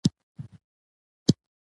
تر کونه يې کلات معلومېږي.